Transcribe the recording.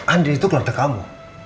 andin itu gelar ke kamu